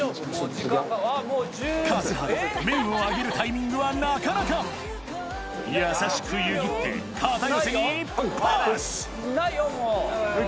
数原麺を上げるタイミングはなかなか優しく湯切って片寄にパスはい。